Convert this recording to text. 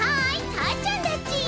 たーちゃんだち。